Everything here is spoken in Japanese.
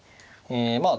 えまあ